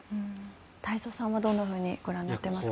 太蔵さんはどんなふうにご覧になっていますか？